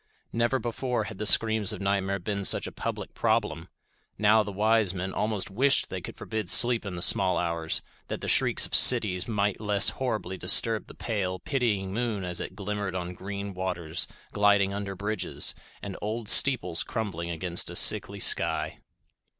Never before had the screams of nightmare been such a public problem; now the wise men almost wished they could forbid sleep in the small hours, that the shrieks of cities might less horribly disturb the pale, pitying moon as it glimmered on green waters gliding under bridges, and old steeples crumbling against a sickly sky.